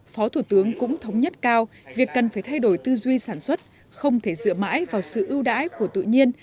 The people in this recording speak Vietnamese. phó thủ tướng cũng thống nhất cao việc cần phải thay đổi tư duy sản xuất không thể dựa mãi vào sự ưu đãi của tự nhiên